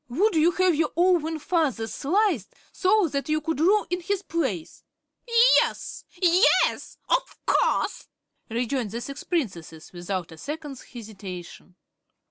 "Would you have your own father sliced, so that you could rule in his place?" "Yes, yes; of course!" rejoined the six Princesses, without a second's hesitation.